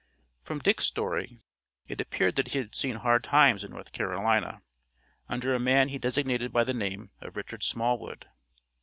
From Dick's story, it appeared that he had seen hard times in North Carolina, under a man he designated by the name of Richard Smallwood.